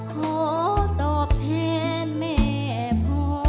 ขอตอบแทนแม่พ่อ